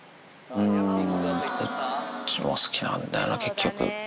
うーん、こっちも好きなんだよな、結局。